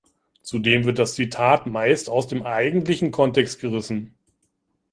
Zudem wird das Zitat meist aus dem eigentlichen Kontext gerissen.